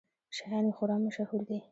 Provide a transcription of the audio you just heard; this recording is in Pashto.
شیان یې خورا مشهور دي.